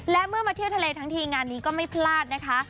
และเมื่อมาเที่ยวทะเลทั้งทีงานนี้ก็ไม่พลาดนะคะ